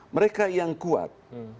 mereka yang kuat